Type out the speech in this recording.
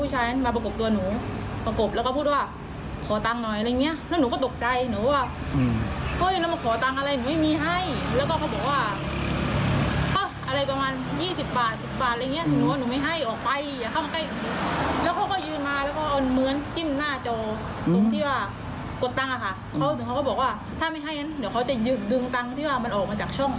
หรือเขาก็บอกว่าถ้าไม่ให้อย่างนั้นเดี๋ยวเขาจะยึดดึงตังค์ที่มันออกมาจากช่อง